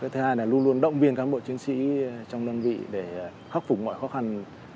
thứ hai là luôn luôn động viên cán bộ chiến sĩ trong đơn vị để khắc phục mọi khó khăn